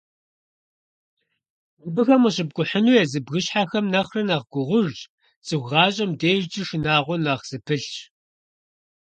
Абыхэм къыщыпкIухьыну езы бгыщхьэхэм нэхърэ нэхъ гугъужщ, цIыху гъащIэм дежкIи шынагъуэ нэхъ зыпылъщ.